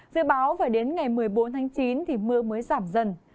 dự báo phải đến ngày một mươi bốn tháng chín thì mưa mới giảm dần